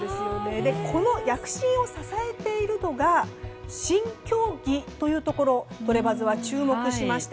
この躍進を支えているのが新競技というところトレバズは注目しました。